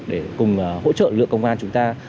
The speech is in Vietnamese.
để cùng hỗ trợ lực lượng công an chúng ta